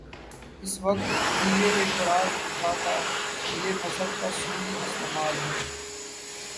اس وقت بھی یہ اعتراض اٹھا تھاکہ یہ مذہب کا سوئ استعمال ہے۔